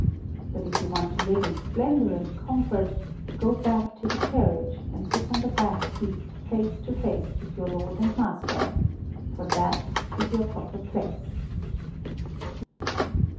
But if you want to live in splendour and comfort, go back to the carriage, and sit on the back seat face to face with your lord and master, for that is your proper place."